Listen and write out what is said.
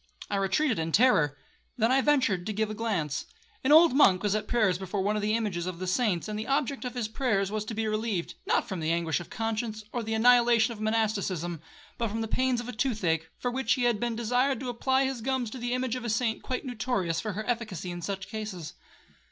I retreated in terror;—then I ventured to give a glance. An old monk was at prayers before one of the images of the saints, and the object of his prayers was to be relieved, not from the anguish of conscience, or the annihilation of monasticism, but from the pains of a toothache, for which he had been desired to apply his gums to the image of a saint quite notorious for her efficacy in such cases.